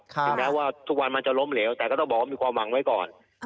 ถึงแม้ว่าทุกวันมันจะล้มเหลวแต่ก็ต้องบอกว่ามีความหวังไว้ก่อน